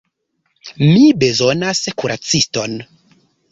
Mi bezonas kuraciston.